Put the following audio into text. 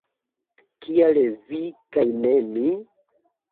Kial vi kaj ne mi?